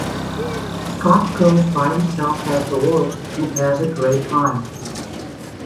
Scott goes by himself as the Wolf and has a great time.